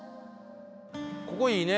ここいいね。